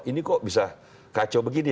ini kok bisa kacau begini